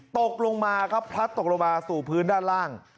ตกลงมาครับพลัดตกลงมาสู่พื้นด้านล่าง